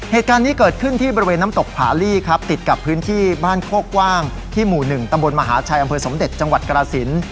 เหตุการณ์นี้เกิดขึ้นที่บริเวณน้ำตกผาลี่ครับติดกับพื้นที่บ้านโคกกว้างที่หมู่๑ตำบลมหาชัยอำเภอสมเด็จจังหวัดกรสิน